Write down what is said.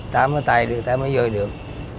ta mới tài được ta mới giỏi được